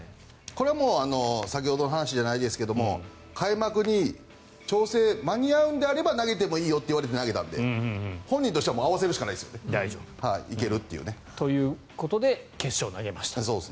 これは先ほどの話じゃないですが開幕に調整が間に合うんであれば投げてもいいよと言われて投げたので本人としては合わせるしかないですよね。ということで決勝、投げました。